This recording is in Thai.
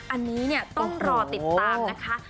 อันนี้เนี่ยต้องรอติดตามนะคะ